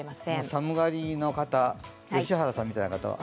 寒がりの方、良原さんみたいな方は。